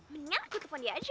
mendingan aku telfon dia aja